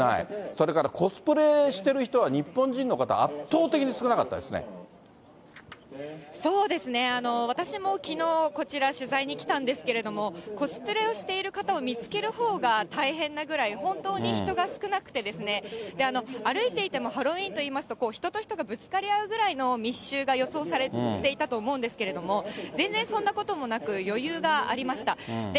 それからコスプレしている人は日本人の方、そうですね、私もきのう、こちら取材に来たんですけれども、コスプレをしている方を見つけるほうが大変なぐらい、本当に人が少なくて、歩いていても、ハロウィーンといいますと、こう、人と人がぶつかり合うぐらいの密集が予想されていたと思うんですけれども、全然そんなこともなく、余裕がありました。